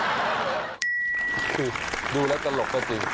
คือดูแล้วตลกก็จริง